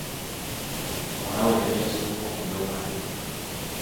Muwala we yali yasomako ku by'okufumba.